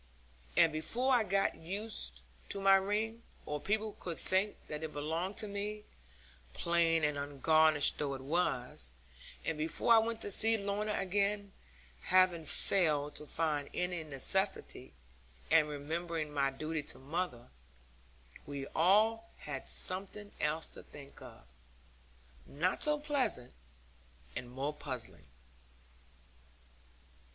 And before I got used to my ring, or people could think that it belonged to me (plain and ungarnished though it was), and before I went to see Lorna again, having failed to find any necessity, and remembering my duty to mother, we all had something else to think of, not so pleasant, and more puzzling.